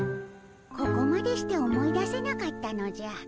ここまでして思い出せなかったのじゃ。